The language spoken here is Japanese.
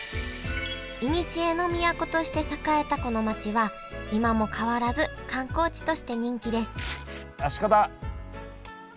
いにしえの都として栄えたこの町は今も変わらず観光地として人気ですあっ鹿だ！